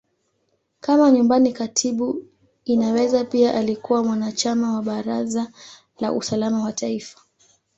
Kama Nyumbani Katibu, Inaweza pia alikuwa mwanachama wa Baraza la Usalama wa Taifa.